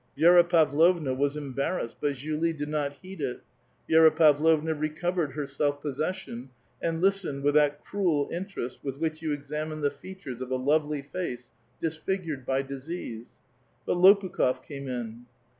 Vi^ra Pavlovna was embarrassed, but Julie did not heed it. Vi^ra Pavlovna recovered her self possession, and listened with that cruel interest with which vou examine the features of a lovely face disfigured by disease. But Lopnkh6f came in.